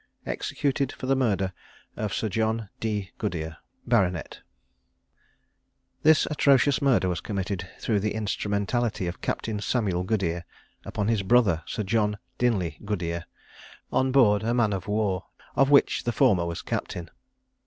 EXECUTED FOR THE MURDER OF SIR JOHN D. GOODERE, BART. This atrocious murder was committed through the instrumentality of Captain Samuel Goodere, upon his brother Sir John Dineley Goodere, on board a man of war, of which the former was Captain.